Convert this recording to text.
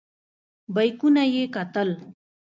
بیکونه یې کتل.